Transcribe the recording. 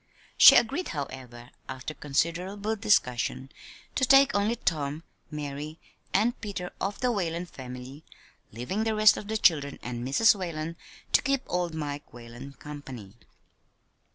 She agreed, however, after considerable discussion, to take only Tom, Mary, and Peter of the Whalen family, leaving the rest of the children and Mrs. Whalen to keep old Mike Whalen company.